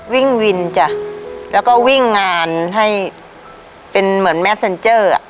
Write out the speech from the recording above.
วิ่งวินจ้ะแล้วก็วิ่งงานให้เป็นเหมือนแมสเซ็นเจอร์อ่ะ